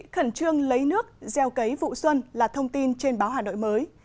khẩn trương lấy nước gieo cấy vụ xuân là thông tin trên báo hà nội mới